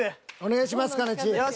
お願いしますかねちー。